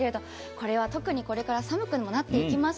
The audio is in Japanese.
これは特にこれから寒くもなっていきます